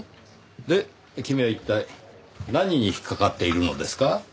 で君は一体何に引っかかっているのですか？